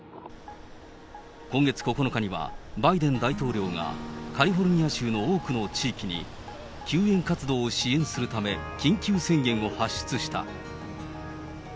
今月９日にはバイデン大統領が、カリフォルニア州の多くの地域に救援活動を支援するため、緊急宣言を発出した。